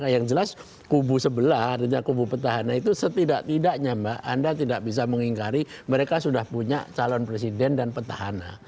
yang jelas kubu sebelah artinya kubu petahana itu setidak tidaknya mbak anda tidak bisa mengingkari mereka sudah punya calon presiden dan petahana